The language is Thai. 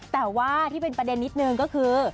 แต่ว่าที่เป็นประเด็นนิดนึงก็คือ